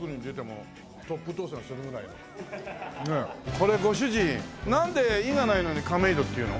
これご主人なんで「い」がないのに「かめいど」っていうの？